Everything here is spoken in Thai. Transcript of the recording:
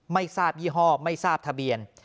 ไม่ทราบยี่ห้อไม่ทราบทะเบียน